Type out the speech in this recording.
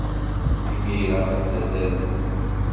Imir-a, la ttazzalen.